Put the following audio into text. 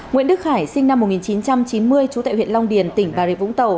nguyễn đức khải sinh năm một nghìn chín trăm chín mươi trú tại huyện long điền tỉnh bà rịa vũng tàu